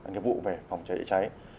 nhiệm vụ về phòng cháy chữa cháy